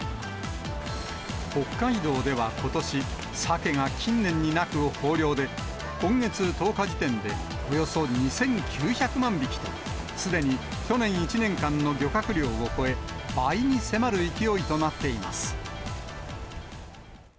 北海道ではことし、サケが近年になく豊漁で、今月１０日時点でおよそ２９００万匹と、すでに去年１年間の漁獲量を超え、倍に迫る勢いとなっています。